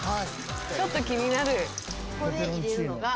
「ちょっと気になる」